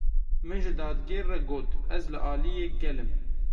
Min ji dadgêr re got ez li aliyê gel im.